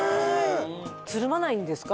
つるまないんですか？